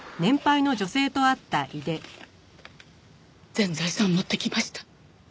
全財産持ってきました。